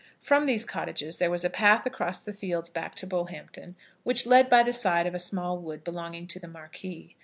From these cottages there was a path across the fields back to Bullhampton, which led by the side of a small wood belonging to the Marquis.